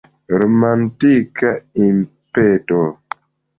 Romantika impeto.